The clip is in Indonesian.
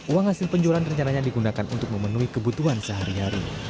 uang hasil penjualan rencananya digunakan untuk memenuhi kebutuhan sehari hari